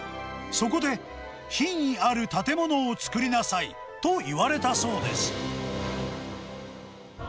そこで、品位ある建物を作りなさいと言われたそうです。